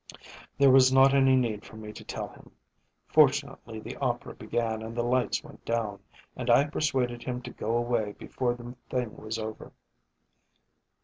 "There was not any need for me to tell him. Fortunately the opera began and the lights went down, and I persuaded him to go away before the thing was over."